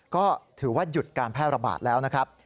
ก็ถือว่าหยุดการแพร่ระบาดแล้วนะครับ